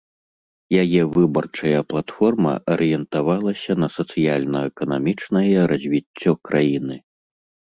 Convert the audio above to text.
Яе выбарчая платформа арыентавалася на сацыяльна-эканамічнае развіццё краіны.